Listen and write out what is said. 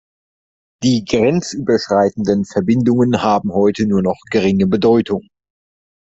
Die grenzüberschreitenden Verbindungen haben heute nur noch geringe Bedeutung.